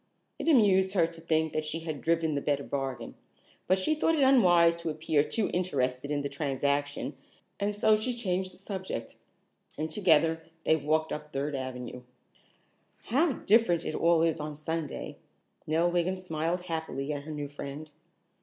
It amused her to think that she had driven the better bargain, but she thought it unwise to appear too interested in the transaction, and so she changed the subject, and together they walked up Third Avenue. "How different it all is on Sunday," Nell Wiggin smiled happily at her new friend.